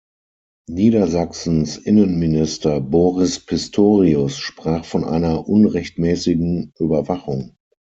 Niedersachsens Innenminister Boris Pistorius sprach von einer unrechtmäßigen Überwachung.